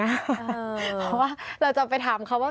เพราะว่าเราจะไปถามเขาว่า